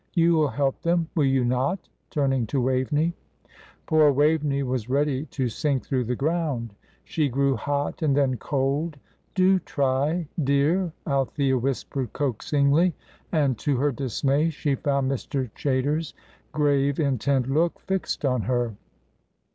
You will help them, will you not?" turning to Waveney. Poor Waveney was ready to sink through the ground. She grew hot and then cold. "Do try, dear," Althea whispered, coaxingly; and, to her dismay, she found Mr. Chaytor's grave, intent look fixed on her.